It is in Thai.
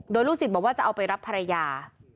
โดยลูกศิษย์บอกว่าจะเอาไปรับภรรยา